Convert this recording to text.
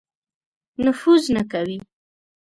نفوذ نه کوي.